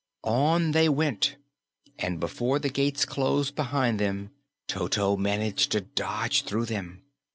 On they went, and before the gates closed behind them, Toto managed to dodge through them.